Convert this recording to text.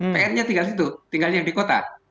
pr nya tinggal di situ tinggal yang di kota